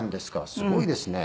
すごいですね」